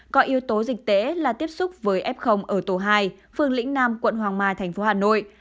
có yếu tố dịch tễ là tiếp xúc với f ở tổ hai phương lĩnh nam quận hoàng mai thành phố hà nội